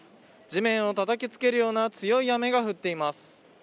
地面をたたきつけるような強い雨が降っています。